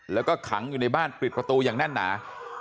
แล้วก็ขังอยู่ในบ้านปิดประตูอย่างแน่นหนา